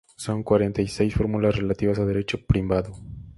Son cuarenta y seis fórmulas relativas a derecho privado.